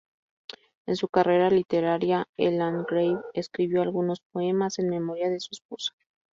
En su carrera literaria, el landgrave escribió algunos poemas en memoria de su esposa.